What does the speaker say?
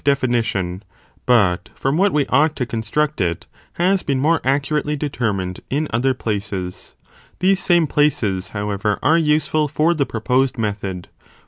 definition, but from what we ought to construct it, has been' more accurately determined in other places ;* these same places, however, are useful for the proposed method.